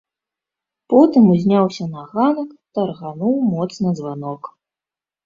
Потым узняўся на ганак, таргануў моцна званок.